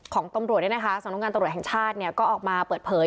ของตำรวจสำนักงานตำรวจแห่งชาติก็ออกมาเปิดเผย